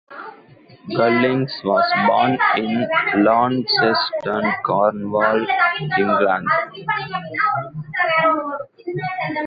Gollings was born in Launceston, Cornwall, England.